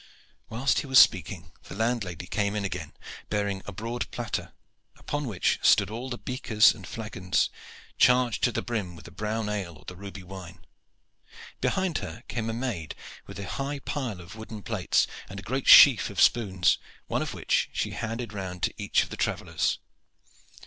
Whilst he was speaking the landlady came in again, bearing a broad platter, upon which stood all the beakers and flagons charged to the brim with the brown ale or the ruby wine. Behind her came a maid with a high pile of wooden plates, and a great sheaf of spoons, one of which she handed round to each of the travellers.